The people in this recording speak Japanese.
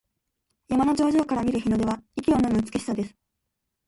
山の頂上から見る日の出は息をのむ美しさです。